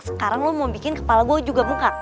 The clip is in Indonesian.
sekarang lo mau bikin kepala gue juga bengkak